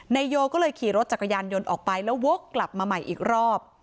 นายโยก็เลยขี่รถจักรยานยนต์ออกไปแล้ววกกลับมาใหม่อีกรอบ